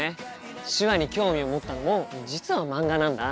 手話に興味を持ったのも実は漫画なんだ。